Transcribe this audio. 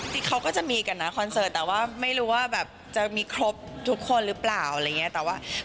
คือเขาก็จะมีกันนะคอนเซิร์ทแต่ว่าไม่รู้ว่าแบบจะมีครบทุกคนนึงแบบว่าเราควรรโหล